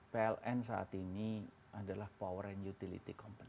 pln saat ini adalah power and utility company